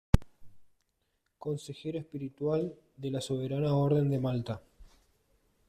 Consejero espiritual de la Soberana Orden de Malta.